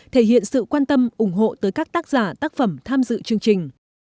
thể hiện sự quan tâm ủng hộ tới các tác giả tác phẩm tham dự chương trình